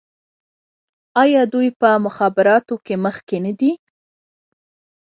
آیا دوی په مخابراتو کې مخکې نه دي؟